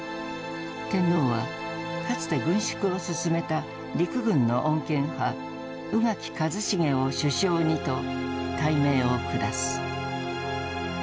天皇はかつて軍縮を進めた陸軍の穏健派宇垣一成を首相にと大命を下す。